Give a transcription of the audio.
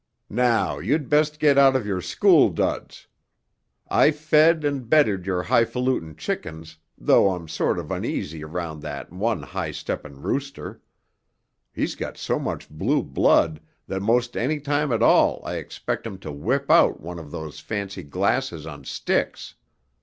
"Now you'd best get out of your school duds. I fed and bedded your hifalutin' chickens though I'm sort of uneasy around that one high steppin' rooster. He's got so much blue blood that most any time at all I expect him to whip out one of those fancy glasses on sticks.